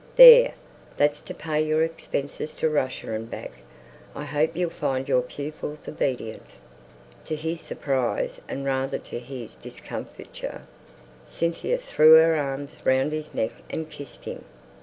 "There! that's to pay your expenses to Russia and back. I hope you'll find your pupils obedient." To his surprise, and rather to his discomfiture, Cynthia threw her arms round his neck and kissed him.